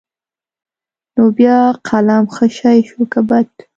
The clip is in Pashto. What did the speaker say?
نو بيا قلم ښه شى شو که بد.